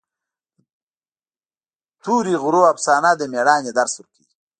د تورې غرونو افسانه د مېړانې درس ورکوي.